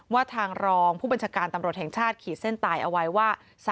ว่าทางรองผู้บัญชาการตำรวจแห่งชาติขีดเส้นตายเอาไว้ว่า